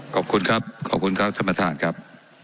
ขอบคุณครับขอบคุณครับธรรมฐานครับ